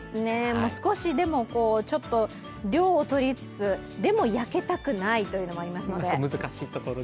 もう少しでもちょっと涼をとりつつでも焼けたくないというのもありますので。